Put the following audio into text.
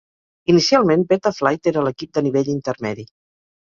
Inicialment, Beta Flight era l'equip de nivell intermedi.